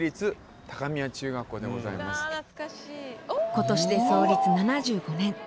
今年で創立７５年。